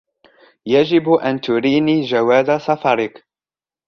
يجب أن تريني جواز سفرك.